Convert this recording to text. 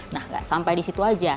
nah nggak sampai di situ aja